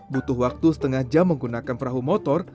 butuh waktu setengah jam menggunakan perahu motor